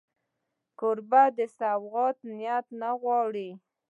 کوربه د سوغات نیت نه غواړي.